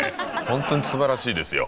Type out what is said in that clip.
本当にすばらしいですよ。